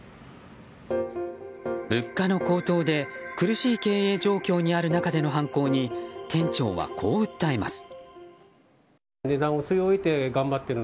物価の高騰で苦しい経営状況にある中での犯行に店長は、こう訴えます。